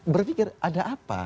berpikir ada apa